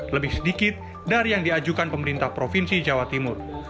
lebih sedikit dari yang diajukan pemerintah provinsi jawa timur